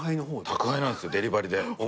宅配なんすよデリバリーで。